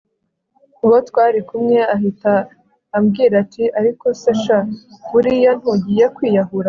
uwo twari kumwe ahita ambwira ati ariko se sha buriya ntugiye kwiyahura